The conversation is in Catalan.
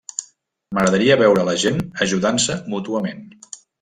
M'agradaria veure la gent ajudant-se mútuament.